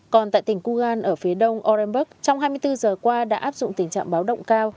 còn tại tỉnh kugan ở phía đông orenburg trong hai mươi bốn giờ qua đã áp dụng tình trạng báo động cao